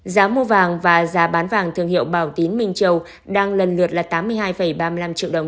giá mua vàng và giá bán vàng thương hiệu bảo tín minh châu đang lần lượt là tám mươi hai ba mươi năm triệu đồng